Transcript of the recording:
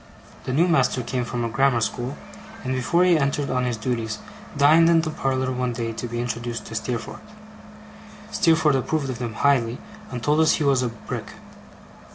The new master came from a grammar school; and before he entered on his duties, dined in the parlour one day, to be introduced to Steerforth. Steerforth approved of him highly, and told us he was a Brick.